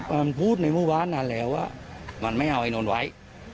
มันพูดในเมื่อวานนานแล้วว่ามันไม่เอาไอ้นนท์ไว้